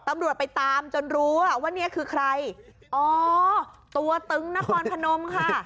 ตำรวจไปตามจนรู้อ่ะว่าเนี่ยคือใครอ๋อตัวตึงนครพนมค่ะ